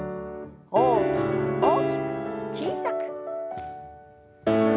大きく大きく小さく。